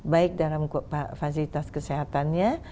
baik dalam fasilitas kesehatannya